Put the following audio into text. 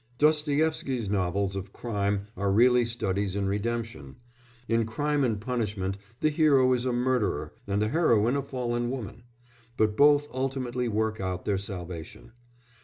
Dostoïevsky's novels of crime are really studies in redemption: in Crime and Punishment the hero is a murderer and the heroine a fallen woman, but both ultimately work out their salvation.